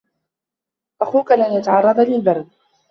أَخُوكَ لَنْ يَتَعَرَّضَ لِلْبَرْدِ.